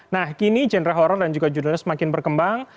nah kini genre horror dan juga jurnalnya semakin berkembang